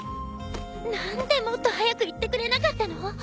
何でもっと早く言ってくれなかったの！？